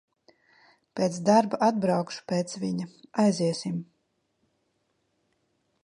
Pēc darba atbraukšu pēc viņa, aiziesim.